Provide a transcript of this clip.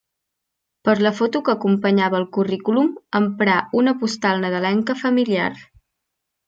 Per la foto que acompanyava el currículum emprà una postal nadalenca familiar.